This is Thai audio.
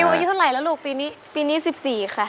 นิวอันนี้เท่าไรล่ะลูกปีนี้๑๔ค่ะ